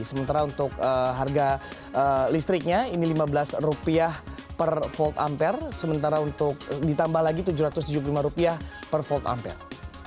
sementara untuk harga listriknya ini rp lima belas per volt ampere sementara untuk ditambah lagi rp tujuh ratus tujuh puluh lima per volt ampere